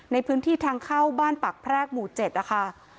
ในพื้นที่ทางเข้าบ้านปากแพรกหมู่๗นะคะ